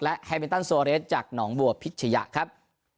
และแฮมินตันโซเรสจากหนองบัวพิชยะครับ